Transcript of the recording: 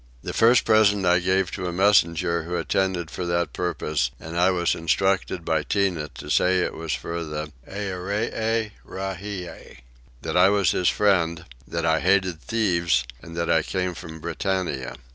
The first present I gave to a messenger who attended for that purpose; and I was instructed by Tinah to say that it was for the Earee Rahie; that I was his friend; that I hated thieves; and that I came from Britannia.